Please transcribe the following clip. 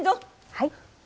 はい。